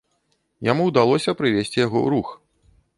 Яму ўдалося прывесці яго ў рух.